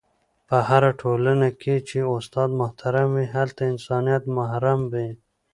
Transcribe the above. په هره ټولنه کي چي استاد محترم وي، هلته انسانیت محترم وي..